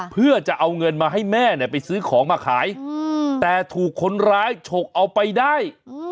เพื่อจะเอาเงินมาให้แม่เนี่ยไปซื้อของมาขายแต่ถูกคนร้ายฉกเอาไปได้